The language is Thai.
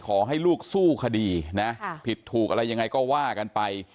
ขอให้ลูกสู้คดีนะผิดถูกอะไรยังไงก็ว่ากันไป